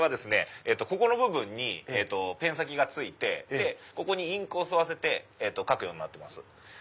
ここの部分にペン先が付いてここにインクを吸わせて書くようになってます。